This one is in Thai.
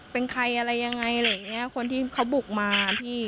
เป็นใครอะไรยังไงคนที่เขาบุกมา